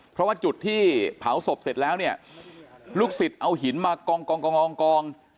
เพราะว่าจุดที่เผาศพเสร็จแล้วเนี่ยลูกศิษย์เอาหินมากอง